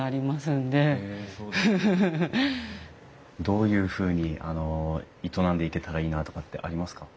どういうふうに営んでいけたらいいなとかってありますか？